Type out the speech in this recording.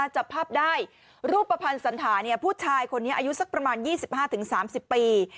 จับภาพได้รูปภัณฑ์สันธาผู้ชายคนนี้อายุสักประมาณ๒๕๓๐ปี